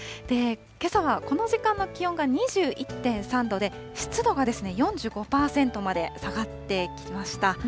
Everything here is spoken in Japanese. けさはこの時間の気温が２１．３度で、湿度が４５％まで下がってきました。